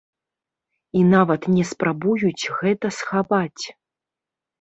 І нават не спрабуюць гэта схаваць.